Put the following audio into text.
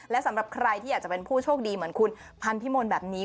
และสำหรับใครที่อยากจะเป็นผู้โชคดีเหมือนคุณพันธิมลแบบนี้